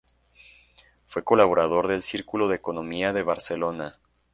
Fue colaborador del Círculo de Economía de Barcelona.